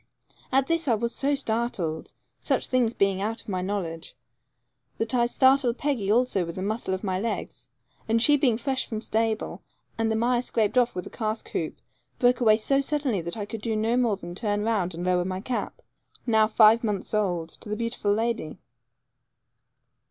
At this I was so startled, such things beings out of my knowledge, that I startled Peggy also with the muscle of my legs, and she being fresh from stable, and the mire scraped off with cask hoop, broke away so suddenly that I could do no more than turn round and lower my cap, now five months old, to the beautiful lady.